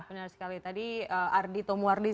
benar sekali tadi ardi tomuardi